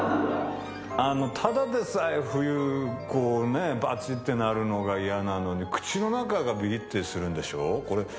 ただでさえ冬ばちってなるのが嫌なのに口の中がびりってするんでしょ？